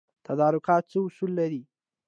تدارکات څه اصول لري؟